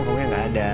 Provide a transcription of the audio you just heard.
kamu yang gak ada